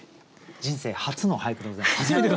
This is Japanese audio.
人生初の俳句でございます。